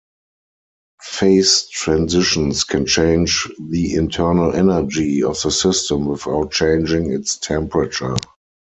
Phase transitions can change the internal energy of the system without changing its temperature.